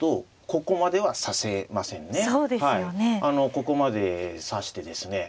ここまで指してですね